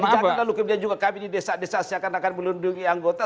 jadi kita lukimnya juga kami di desa desa seakan akan melindungi anggota